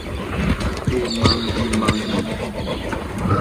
Èmàŋɡìmàŋɡì.